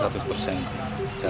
saya harap bisa berhasil